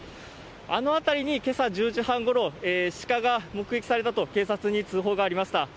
あの辺りにけさ１０時半ごろ、鹿が目撃されたと、警察に通報がありました。